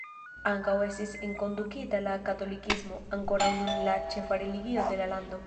Ankaŭ estis enkondukita la katolikismo, ankoraŭ nun la ĉefa religio de la lando.